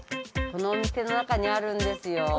このお店の中にあるんですよ